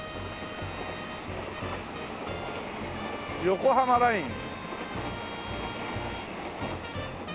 横浜ライン。